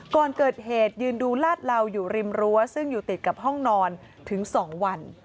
ก่อนเกิดเหตุยืนดูลาดเหลาอยู่ริมรั้วซึ่งอยู่ติดกับห้องนอนถึง๒วัน